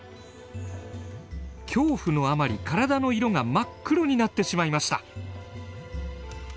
恐怖のあまり体の色が真っ黒になってしまいました。